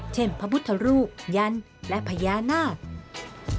เช่นพระพุทธรูปยันตร์และพญานาคต์